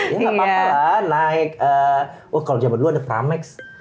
ya gapapa lah naik oh kalau zaman dulu ada pramex